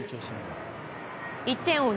１点を追う